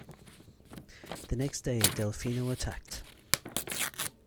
The next day Delfino attacked.